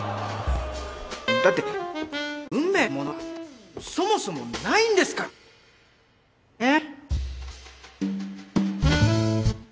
だって運命なんてものはそもそもないんですから！ねぇ！